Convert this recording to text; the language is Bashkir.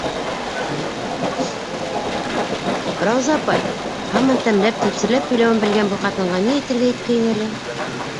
Рауза апай... - һаман тәмләп-тәпсирләп һөйләүен белгән был ҡатынға ни әйтергә иткәйне әле?